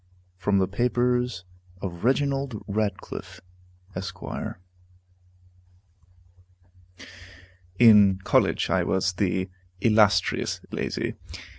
FROM THE PAPERS OF REGINALD RATCLIFFE, ESQ. In college I was the "Illustrious Lazy."